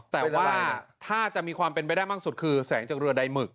แต่ว่าถ้าจะมีความเป็นไปได้มากสุดคือแสงจากเรือใดหมึก